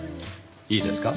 いいですか？